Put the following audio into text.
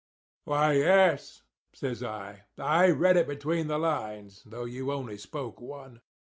"'Why, yes,' says I, 'I read it between the lines, though you only spoke one.